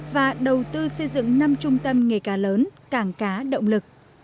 và đầu tư xây dựng năm trung tâm nghề cá lớn cảng cá động lực